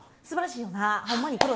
素晴らしいよな。